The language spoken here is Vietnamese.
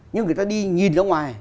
nhưng người ta đi nhìn ra ngoài